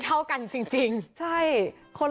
เขาเหงื่อยลอยจริง